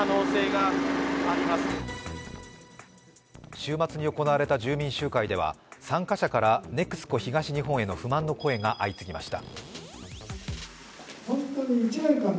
週末に行われた住民集会ではＮＥＸＣＯ東日本への不満の声が相次ぎました。